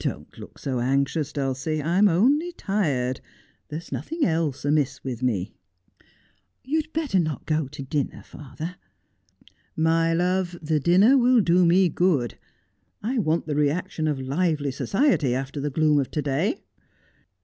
Don't look so anxious, Dulcie. I am only tired. There is nothing else amiss with me.' ' You had better not go to the dinner, father.' ' My love, the dinner will do me good. I want the reaction of lively society after the gloom of to day.'